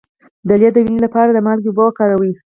د لۍ د وینې لپاره د مالګې اوبه وکاروئ